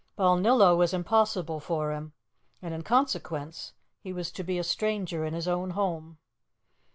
Balnillo was impossible for him, and in consequence he was to be a stranger in his own home.